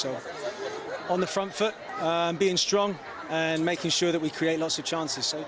jadi di depan berpikir kuat dan memastikan kita menciptakan banyak perubahan